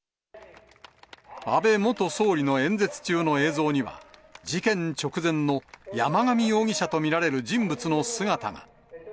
安倍元総理の演説中の映像には、事件直前の山上容疑者と見られる人物の姿が。